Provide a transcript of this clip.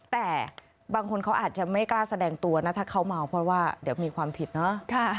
แต่บางคนเขาอาจจะไม่กล้าแสดงตัวนะถ้าเขาเมาเพราะว่าเดี๋ยวมีความผิดเนอะ